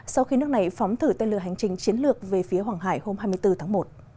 sau khi nước này phóng thử tên lửa hành trình chiến lược về phía hoàng hải hôm hai mươi bốn tháng một